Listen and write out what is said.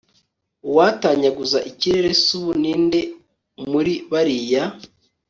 uwatanyaguza ikirere subu ninde muri bariya